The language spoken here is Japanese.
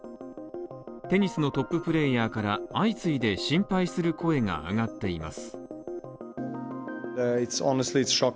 テニスのトッププレーヤーから相次いで心配する声が上がっています